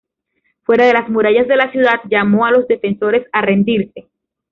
Fuera de las murallas de la ciudad, llamó a los defensores a rendirse.